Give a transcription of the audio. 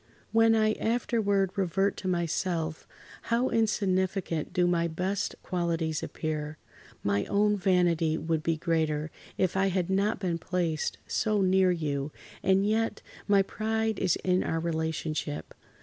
"When I afterward revert to myself, how insignificant do my best qualities appear! My own vanity would be greater if I had not been placed so near you, and yet, my pride is in our relationship.